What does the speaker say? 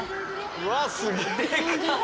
うわすげえ！